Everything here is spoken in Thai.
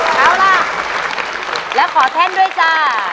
และและขอแทนด้วยจ๊ะ